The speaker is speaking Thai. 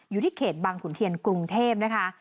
อยู่ที่เขตบังขุนเทียนกรุงเทพนะคะ